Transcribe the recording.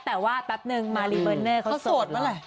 แต่ว่าแปปนึงมารีเบิร์นเนอร์เขาสดเหรอ